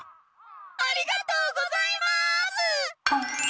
ありがとうございます！